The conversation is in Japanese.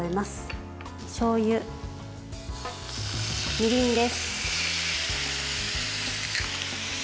しょうゆ、みりんです。